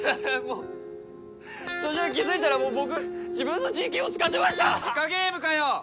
もうそしたら気づいたら僕自分の人権を使ってましたイカゲームかよ！